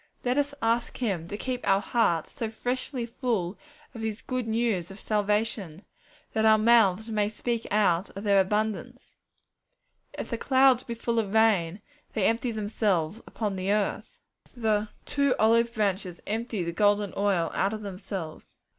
Let us ask Him to keep our hearts so freshly full of His good news of salvation, that our mouths may speak out of their abundance. 'If the clouds be full of rain, they empty themselves upon the earth.' The 'two olive branches empty the golden oil out of themselves.'